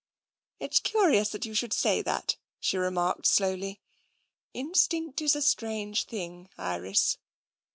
" It's curious that you should say that," she re marked slowly. " Instinct is a strange thing, Iris."